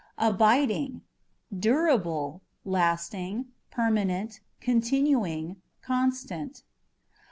Abidingâ€" durable, lasting, permanent, continuing, constant.